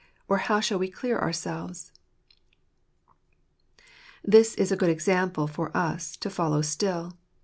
or how shall we clear our selves ?" This is a good example for us to follenv still.